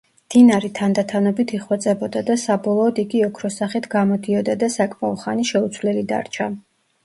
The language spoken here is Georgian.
დინარი თანდათანობით იხვეწებოდა და საბოლოოდ იგი ოქროს სახით გამოდიოდა და საკმაო ხანი შეუცვლელი დარჩა.